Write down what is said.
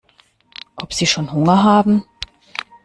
Ob sie schon Hunger haben?